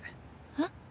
えっ？